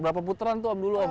berapa putaran itu om dulu om